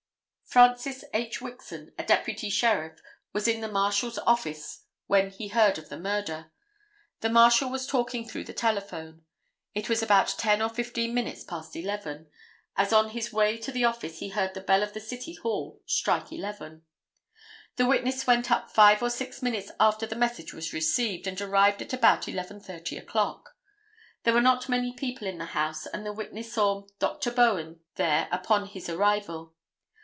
Francis H. Wixon, a deputy sheriff, was in the Marshal's office when he heard of the murder. The Marshal was talking through the telephone. It was about ten or fifteen minutes past 11, as on his way to the office he heard the bell in the city hall strike 11. The witness went up five or six minutes after the message was received and arrived at about 11:30 o'clock. There were not many people in the house and the witness saw Dr. Bowen there upon his arrival.